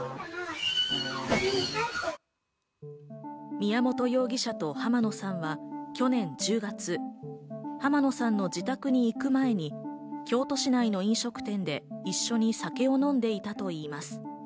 宮本容疑者と浜野さんは去年１０月、浜野さんの自宅に行く前に京都市内の飲食店で一緒に酒を飲んでいたといいます。